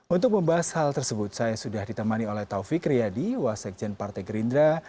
untuk membahas hal tersebut saya sudah ditemani oleh taufik riyadi wasekjen partai gerindra